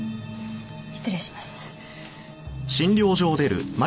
失礼します。